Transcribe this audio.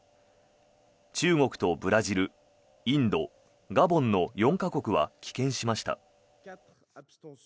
中国とブラジルインド、ガボンの４か国は棄権しました。